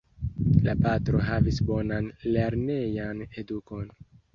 La patro havis bonan lernejan edukon.